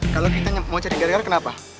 kalau kita mau cari gara gara kenapa